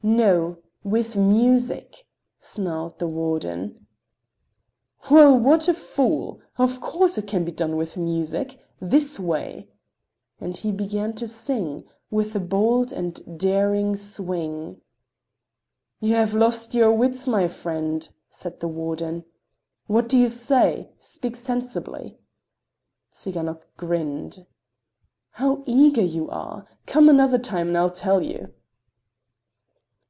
"No, with music," snarled the warden. "Well, what a fool! Of course it can be done with music. This way!" and he began to sing, with a bold and daring swing. "You have lost your wits, my friend," said the warden. "What do you say? Speak sensibly." Tsiganok grinned. "How eager you are! Come another time and I'll tell you."